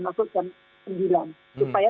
masuk jam sembilan supaya